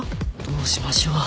どうしましょう。